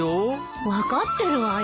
分かってるわよ。